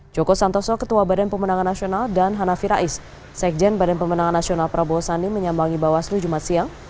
joko santoso ketua badan pemenangan nasional dan hanafi rais sekjen badan pemenangan nasional prabowo sandi menyambangi bawaslu jumat siang